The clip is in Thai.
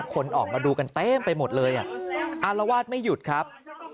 คนออกมาดูกันเต็มไปหมดเลยอารวาสไม่หยุดครับ